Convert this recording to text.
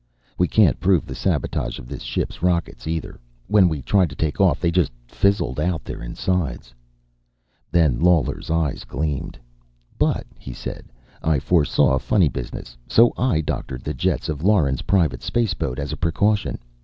"We can't prove the sabotage of this ship's rockets, either. When we tried to take off they just fizzled out their insides." Then Lawler's eyes gleamed. "But," he said, "I foresaw funny business, so I doctored the jets of Lauren's private spaceboat as a precaution.